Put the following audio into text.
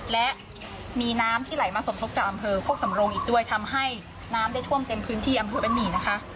และมีน้ำที่ไหลมาสมทบจากอำเภอโคกสำรงอีกด้วยทำให้น้ำได้ท่วมเต็มพื้นที่อำเภอบ้านหมี่นะคะ